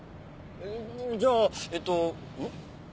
じゃあえっとん？